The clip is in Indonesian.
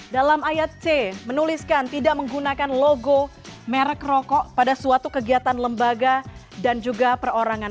dalam ayat c menuliskan tidak menggunakan logo merek rokok pada suatu kegiatan lembaga dan juga perorangan